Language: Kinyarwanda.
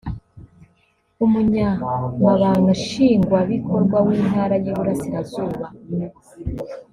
umunyamabanga nshingwabikorwa w’Intara y’Iburasirazuba